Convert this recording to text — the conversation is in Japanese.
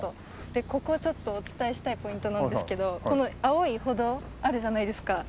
でここちょっとお伝えしたいポイントなんですけどこの青い歩道あるじゃないですか。